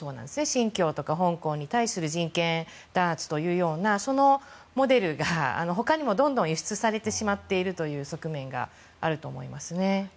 新疆とか香港に対する人権弾圧というようなそのモデルが他にもどんどん輸出されてしまっているという側面があると思いますね。